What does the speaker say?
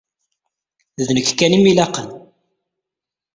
D nekk kan i m-ilaqen.